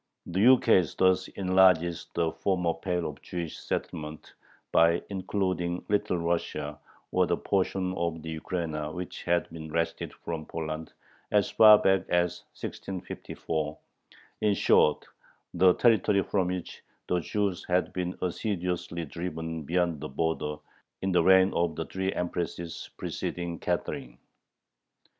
The ukase thus enlarges the former pale of Jewish settlement by including Little Russia, or the portion of the Ukraina which had been wrested from Poland as far back as 1654, in short, the territory from which the Jews had been assiduously driven "beyond the border" in the reign of the three Empresses preceding Catherine.